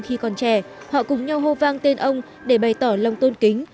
khi còn trẻ họ cùng nhau hô vang tên ông để bày tỏ lòng tôn kính